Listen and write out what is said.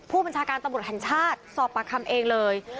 ผู้บัญชาการตำรวจแห่งชาติสอบปากคำเองเลย